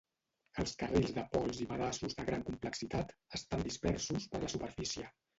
Els carrils de pols i pedaços de gran complexitat estan dispersos per la superfície.